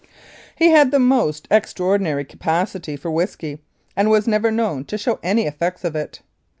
He had the most extraordinary capacity for whisky, and was never known to show any effects of it.